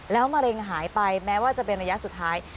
แล้วมะเร็งหายไปแม้ว่าจะเป็นระยะสุดท้าย